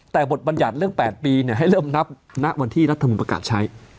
แต่บทบัญญัติเรื่อง๘ปีให้เริ่มนับณวันที่รัฐมนุนประกาศใช้